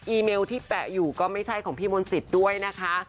เมลที่แปะอยู่ก็ไม่ใช่ของพี่มนต์สิทธิ์ด้วยนะคะ